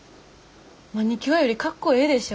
マニキュアよりかっこええでしょ。